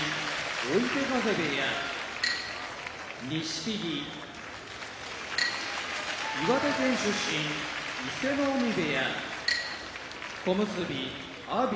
追手風部屋錦木岩手県出身伊勢ノ海部屋小結・阿炎